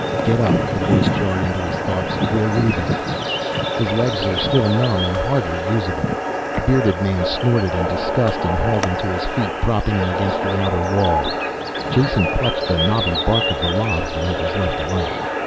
"Get up," the voice jarred into his thoughts. "We're leaving." His legs were still numb and hardly usable. The bearded man snorted in disgust and hauled him to his feet, propping him against the outer wall. Jason clutched the knobby bark of the logs when he was left alone.